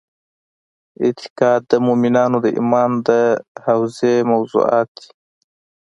اعتقاد د مومنانو د ایمان د حوزې موضوعات دي.